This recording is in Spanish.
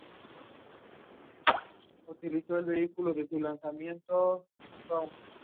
Nacido y criado en Ohio junto con tres hermanas.